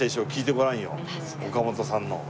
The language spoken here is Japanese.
岡本さんの。